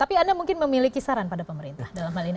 tapi anda mungkin memiliki saran pada pemerintah dalam hal ini